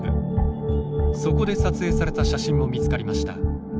そこで撮影された写真も見つかりました。